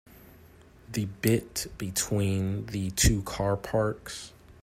The bit between the two car parks?